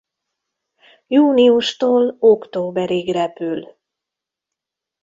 Júniustól októberig repül.